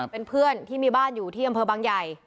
เป็นเพื่อนที่มีบ้านอยู่ที่อำเภอบางใหญ่